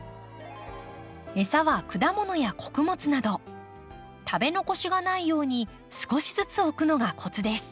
餌は果物や穀物など食べ残しがないように少しずつ置くのがコツです。